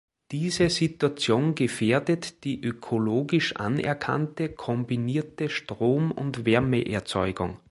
Diese Situation gefährdet die ökologisch anerkannte kombinierte Strom- und Wärmeerzeugung.